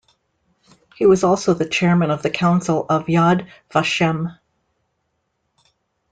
He was also the chairman of the council of Yad Vashem.